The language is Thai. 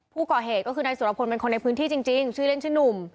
ผู้ก่อเหตุก็คือนายสุรพลเป็นคนในพื้นที่จริงชื่อเล่นชื่อหนุ่ม